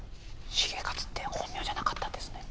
重勝って本名じゃなかったんですね。